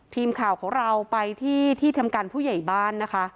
ทีมข่าวของเราไปที่ที่ทำการผู้ใหญ่บ้านนะคะ